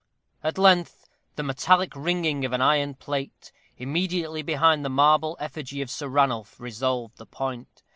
At length the metallic ringing of an iron plate, immediately behind the marble effigy of Sir Ranulph, resolved the point.